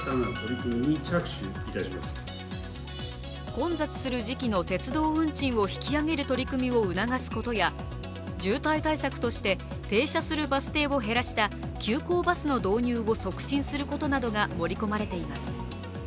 混雑する時期の鉄道運賃を引き上げる取り組みを促すことや渋滞対策として停車するバス停を減らした急行バスの導入を促進することなどが盛り込まれています。